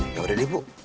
ya udah deh ibu